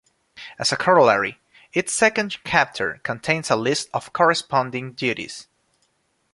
As a corollary, its second chapter contains a list of corresponding duties.